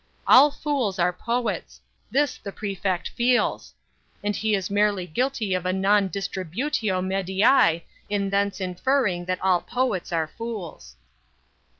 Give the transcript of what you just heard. All fools are poets; this the Prefect feels; and he is merely guilty of a non distributio medii in thence inferring that all poets are fools."